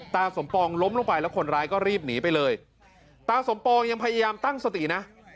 ตาสมปองล้มลงไปแล้วคนร้ายก็รีบหนีไปเลยตาสมปองยังพยายามตั้งสตินะ